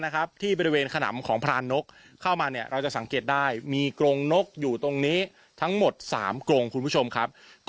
กรงนกหากดูนะฮะ